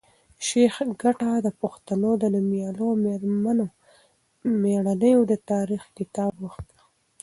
شېخ کټه د پښتنو د نومیالیو او مېړنیو د تاریخ کتاب وکېښ.